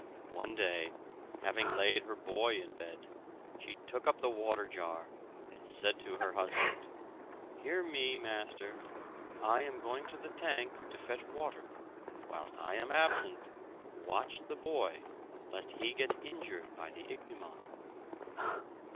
One day, having laid her boy in bed, she took up the water jar, and said to her husband, "Hear me, master! I am going to the tank to fetch water. Whilst I am absent, watch the boy, lest he gets injured by the ichneumon."